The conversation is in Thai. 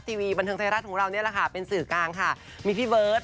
ทีวีบันเทิงไทยรัฐของเรานี่แหละค่ะเป็นสื่อกลางค่ะมีพี่เบิร์ต